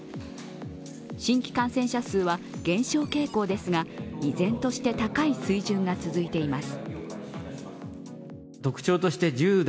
新規感染者数は減少傾向ですが、依然として高い水準が続いています。